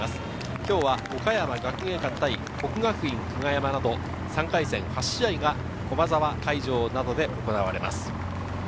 今日は岡山学芸館対國學院久我山など３回戦８試合が駒沢会場などで行われます。